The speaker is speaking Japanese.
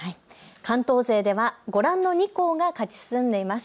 関東勢ではご覧の２校が勝ち進んでいます。